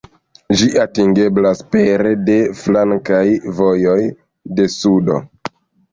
Ĝi atingeblas pere de flankaj vojoj de sudo.